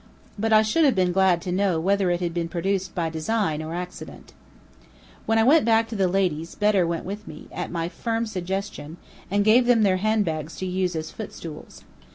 But I should have been glad to know whether it had been produced by design or accident. When I went back to the ladies, Bedr went with me, at my firm suggestion, and gave them their handbags to use as footstools.